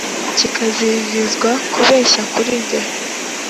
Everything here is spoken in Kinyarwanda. kikaziririzwa kubeshya kurijye”